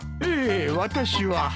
ええ私は。